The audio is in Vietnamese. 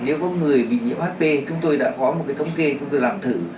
nếu có người bị nhiễm hp chúng tôi đã có một cái thống kê chúng tôi làm thử